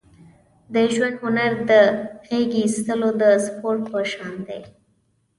د ژوند هنر د غېږې اېستلو د سپورت په شان دی.